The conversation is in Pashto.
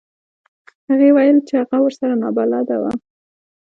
هغې وویل چې هغه ورسره نابلده و.